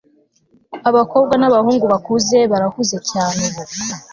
Abakobwa nabahungu bakuze barahuze cyane ubu